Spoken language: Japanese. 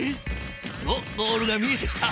おっゴールが見えてきた。